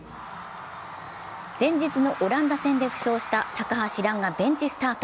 前日のオランダ戦で負傷した高橋藍がベンチスタート。